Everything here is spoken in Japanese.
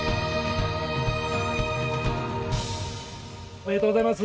おめでとうございます。